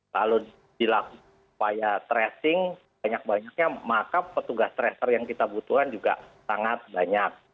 kalau dilakukan upaya tracing banyak banyaknya maka petugas tracer yang kita butuhkan juga sangat banyak